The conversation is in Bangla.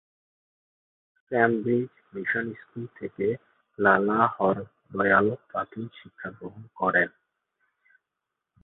কেমব্রিজ মিশন স্কুল থেকে লালা হর দয়াল প্রাথমিক শিক্ষাগ্রহণ করেন।